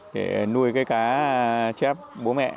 để nuôi cái cá chép bố mẹ